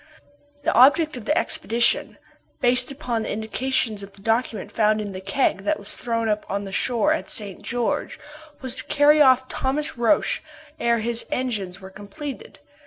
The object of the expedition, based upon the indications of the document found in the keg that was thrown up on the shore at St. George, was to carry off Thomas Roch ere his engines were completed.